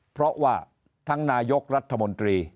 เพราะว่าทั้งนายกรัฐมนตรี